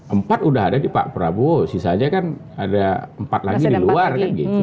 empat udah ada di pak prabowo sisanya kan ada empat lagi di luar kan gitu